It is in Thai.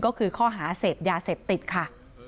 ก็คือข้อหาเสพยาเสพติดค่ะ